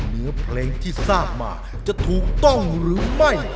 เนื้อเพลงที่ทราบมาจะถูกต้องหรือไม่